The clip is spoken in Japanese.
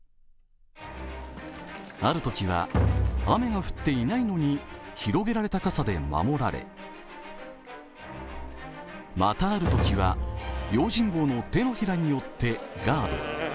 あるときは雨が降っていないのに広げられた傘で守られ、またあるときは、用心棒の手のひらによってガード。